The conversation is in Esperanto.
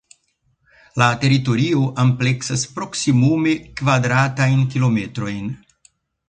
La teritorio ampleksas proksimume kvadratajn kilometrojn.